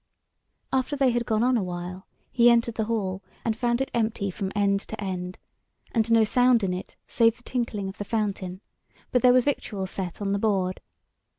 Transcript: After they had gone on a while, he entered the hall, and found it empty from end to end, and no sound in it save the tinkling of the fountain; but there was victual set on the board.